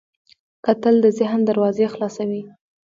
کتل د ذهن دروازې خلاصوي